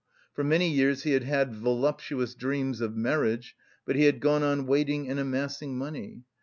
For many years he had had voluptuous dreams of marriage, but he had gone on waiting and amassing money.